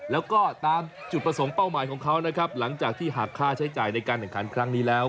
แล้วก็ตามจุดประสงค์เป้าหมายของเขานะครับหลังจากที่หักค่าใช้จ่ายในการแข่งขันครั้งนี้แล้ว